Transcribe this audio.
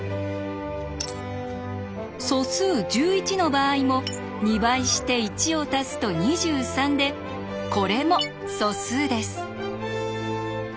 素数１１の場合も２倍して１を足すと２３でこれも素数です。